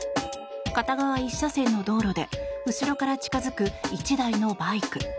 片側１車線の道路で後ろから近付く１台のバイク。